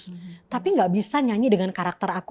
tapi gak bisa nyanyi dengan karakter aku